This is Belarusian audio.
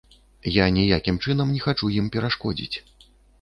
Я ніякім чынам не хачу ім перашкодзіць.